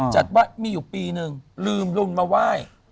จัดว่ามีอยู่ปีนึงลืมรุนมาไหว้